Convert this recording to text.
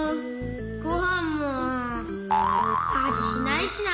ごはんもあじしないしな。